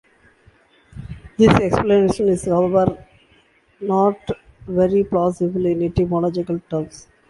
This explanation is however not very plausible in etymological terms.